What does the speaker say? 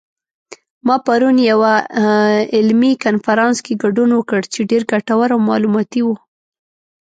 ما پرون یوه علمي کنفرانس کې ګډون وکړ چې ډېر ګټور او معلوماتي و